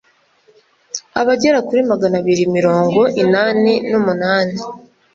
abagera kuri maganabiri muringo inani numunani